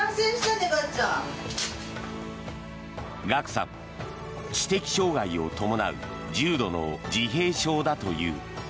ＧＡＫＵさん、知的障害を伴う重度の自閉症だという。